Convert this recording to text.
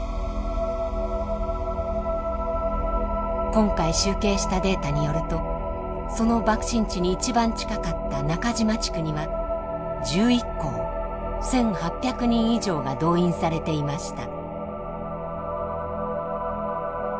今回集計したデータによるとその爆心地に一番近かった中島地区には１１校１，８００人以上が動員されていました。